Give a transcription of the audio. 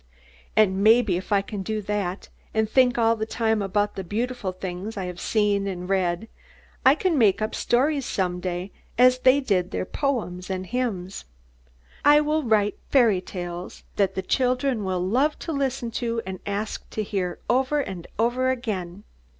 "And maybe if I can do that, and think all the time about the beautiful things I have seen and read, I can make up stories some day as they did their poems and hymns. I will write fairy tales that the children will love to listen to and ask to hear, over and over again.